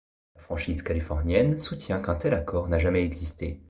La franchise californienne soutient qu'un tel accord n'a jamais existé.